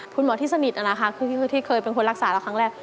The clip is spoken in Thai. คุณหมอที่สนิทนะคะคือที่เคยเป็นคนรักษาแล้วครั้งแรก